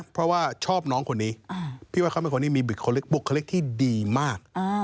เพราะว่าชอบน้องคนนี้พี่ว่าเขาเป็นคนที่มีบุคลิกบุคลิกที่ดีมาก